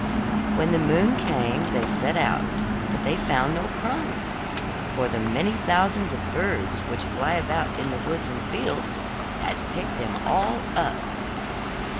When the moon came they set out, but they found no crumbs, for the many thousands of birds which fly about in the woods and fields had picked them all up.